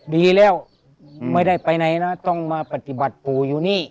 ดีแล้วไม่ได้ไปไหนนะต้องมาปฏิบัติปู่อยู่นี่